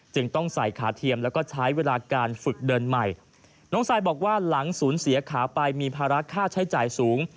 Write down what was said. ต้องใส่ขาเทียมแล้วก็ใช้เวลาการฝึกเดินใหม่น้องซายบอกว่าหลังศูนย์เสียขาไปมีภาระค่าใช้จ่ายสูง